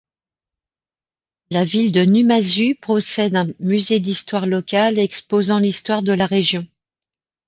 La ville de Numazu possède un musée d'histoire locale exposant l'histoire de la région.